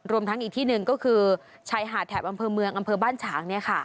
ทั้งอีกที่หนึ่งก็คือชายหาดแถบอำเภอเมืองอำเภอบ้านฉาง